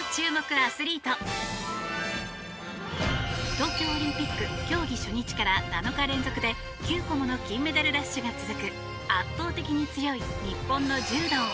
東京オリンピック競技初日から７日連続で９個もの金メダルラッシュが続く圧倒的に強い、日本の柔道。